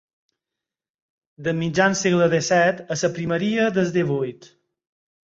De mitjan segle disset a la primeria del divuit.